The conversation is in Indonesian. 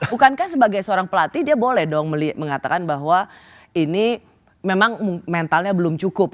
bukankah sebagai seorang pelatih dia boleh dong mengatakan bahwa ini memang mentalnya belum cukup